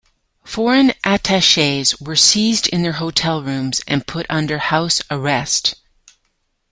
Foreign attachés were seized in their hotel rooms and put under house arrest.